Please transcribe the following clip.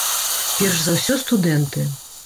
Перш за ўсё, студэнты.